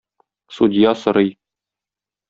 Судья сорый